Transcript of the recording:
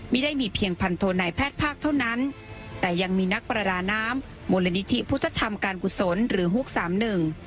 ไม่ได้มีเพียงพันโทนายแพทย์ภาคเท่านั้นแต่ยังมีนักประดาน้ำมูลนิธิพุทธธรรมการกุศลหรือฮุกสามหนึ่ง